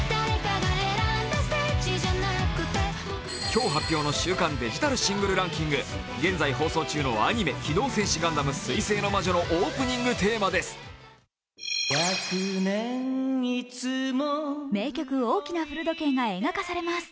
今日発表の週間デジタルシングルランキング、現在放送中のアニメ「機動戦士ガンダム水星の魔女」のオープニングテーマです。